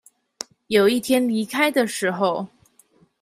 有一天離開的時候